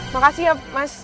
makasih ya mas